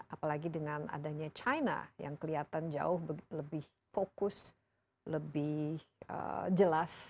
apalagi dengan adanya china yang kelihatan jauh lebih fokus lebih jelas